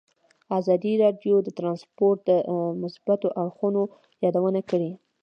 ازادي راډیو د ترانسپورټ د مثبتو اړخونو یادونه کړې.